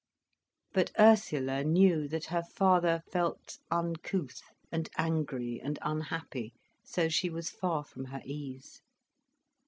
But Ursula knew that her father felt uncouth and angry and unhappy, so she was far from her ease.